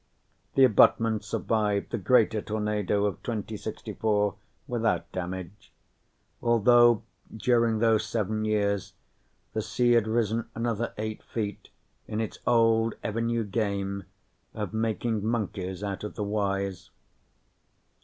The abutment survived the greater tornado of 2064 without damage, although, during those seven years, the sea had risen another eight feet in its old ever new game of making monkeys out of the wise.